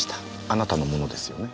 あなたのものですよね？